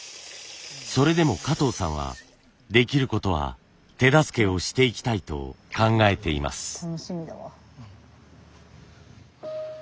それでも加藤さんはできることは手助けをしていきたいと考えています。